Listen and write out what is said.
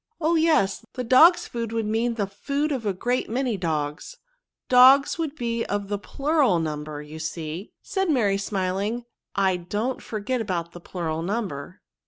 Oh ! yes ; the dogs food would mean the NOUN& 141 &od of a great many dogs ; dogs wotdd be of the plural number, you see/' said Mary^ smiling ;^^ I don't forget about the plural niunber."